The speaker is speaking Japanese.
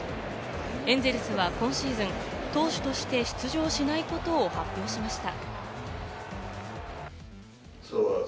エンゼルスは今シーズン投手として出場しないことを発表しました。